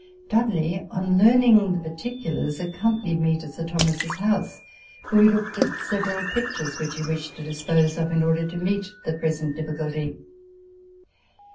Dudley, on learning the particulars, accompanied me to Sir Thomas's house, where we looked at several pictures which he wished to dispose of in order to meet the present difficulty.